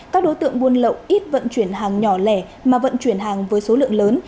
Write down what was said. các đối tượng buôn lậu ít vận chuyển hàng nhỏ lẻ mà vận chuyển hàng với số lượng lớn